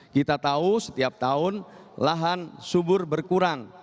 kita tahu setiap tahun lahan subur berkurang